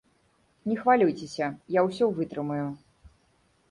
Не хвалюйцеся, я усе вытрымаю.